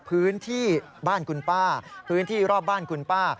พื้นที่บ้านคุณป้าพื้นที่รอบบ้านคุณป้า